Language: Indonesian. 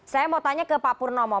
saya mau tanya ke pak purnomo